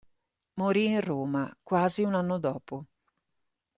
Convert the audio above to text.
Morì in Roma quasi un anno dopo.